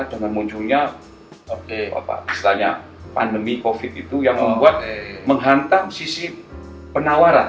dengan munculnya pandemi covid itu yang membuat menghantam sisi penawaran